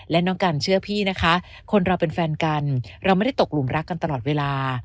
และน้องกันเชื่อพี่นะคะคนเราเป็นแฟนกันเราไม่ได้ตกหลุมรักกันตลอดเวลา